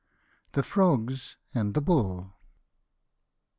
THE FROGS AND THE BULL.